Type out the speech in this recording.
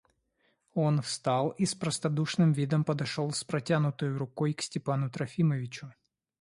Он встал и с простодушным видом подошел с протянутою рукой к Степану Трофимовичу.